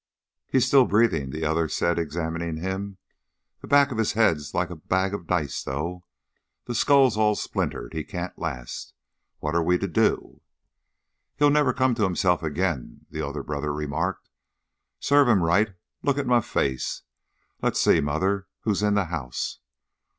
"He's still breathing," the other said, examining him; "the back o' his head's like a bag o' dice though. The skull's all splintered. He can't last. What are we to do?" "He'll never come to himself again," the other brother remarked. "Sarve him right. Look at my face! Let's see, mother; who's in the house?"